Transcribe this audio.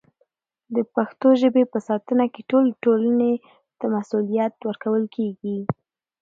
د پښتو ژبې په ساتنه کې ټولې ټولنې ته مسوولیت ورکول کېږي.